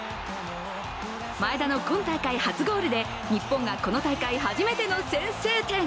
前田の今大会初ゴールで日本がこの大会初めての先制点。